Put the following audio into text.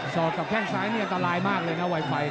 ซอกกับแก้งซ้ายก็ตลายมากเลยนะไวไฟ